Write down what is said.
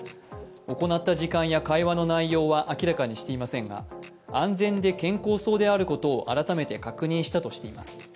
行った時間や会話の内容は明らかにしていませんが、安全で健康そうであることを改めて確認したとしています。